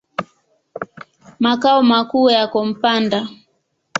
Makao makuu yako Mpanda.